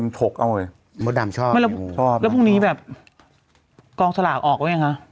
มันโถกเอาไว้มดดำชอบชอบแล้วพรุ่งนี้แบบกองสลากออกว่าไงฮะ